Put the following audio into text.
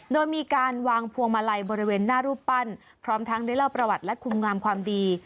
โดยมีการวางพวงมาลัยบริเวณหน้ารูปปั้นพร้อมทั้งได้เล่าประวัติและคุมงามความดี